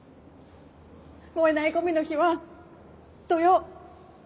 燃えないゴミの日は土曜。